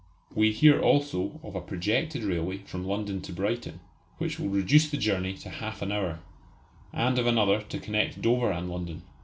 We hear also of a projected railway from London to Brighton, which will reduce the journey to half an hour; and of another to connect Dover and London.